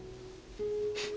フッ。